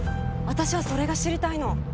私はそれが知りたいの。